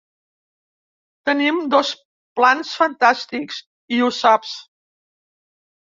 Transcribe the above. Tenim dos plans fantàstics, i ho saps.